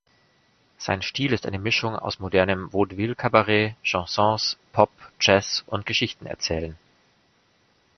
Sein Stil ist eine Mischung aus modernem Vaudeville-Cabaret, Chansons, Pop, Jazz und Geschichtenerzählen.